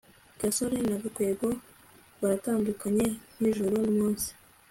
gasore na gakwego baratandukanye nk'ijoro n'umunsi